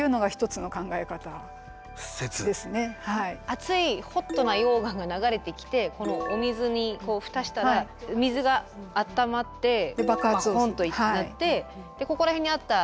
熱いホットな溶岩が流れてきてこのお水に蓋したら水があったまってバコンとなってここら辺にあった。